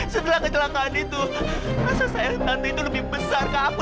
setelah kecelakaan itu rasa sayang tante itu lebih besar ke aku